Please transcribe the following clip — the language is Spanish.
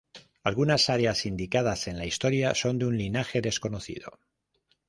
Algunas áreas indicadas en la historia son de un linaje desconocido.